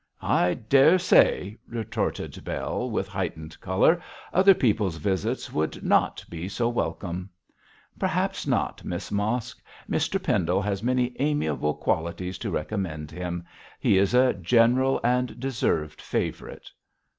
'I daresay,' retorted Bell, with heightened colour, 'other people's visits would not be so welcome.' 'Perhaps not, Miss Mosk. Mr Pendle has many amiable qualities to recommend him. He is a general and deserved favourite.'